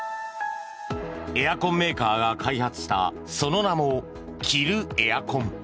エアコンメーカーが開発したその名も着るエアコン。